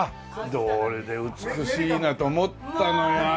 どうりで美しいなと思ったのよ秋田。